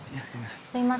すいません。